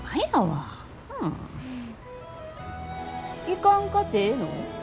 行かんかてええの？